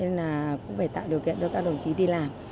nên là cũng phải tạo điều kiện cho các đồng chí đi làm